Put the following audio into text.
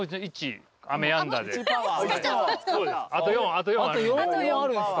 あと４もあるんすか。